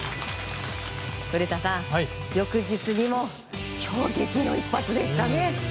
古田さん、翌日にも衝撃の一発でしたね。